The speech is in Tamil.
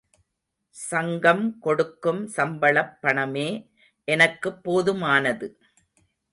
சங்கம் கொடுக்கும் சம்பளப் பணமே எனக்குப் போதுமானது.